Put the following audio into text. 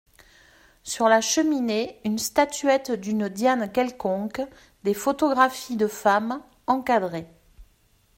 Sur la cheminée, une statuette d’une Diane quelconque, des photographies de femmes, encadrées.